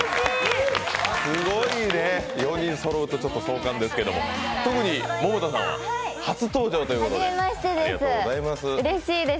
すごいね、４人そろうと壮観ですけど特に百田さんは初登場ということで。